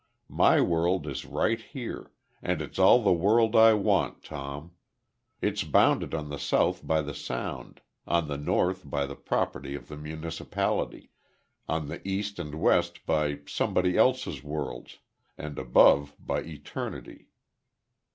My world is right here; and it's all the world I want, Tom. It's bounded on the south by the sound, on the north by the property of the municipality, on the east and west by somebody else's worlds, and above by eternity."